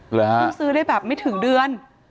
หรือฮะต้องซื้อได้แบบไม่ถึงเดือน